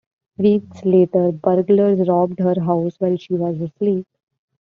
Weeks later, burglars robbed her house while she was asleep.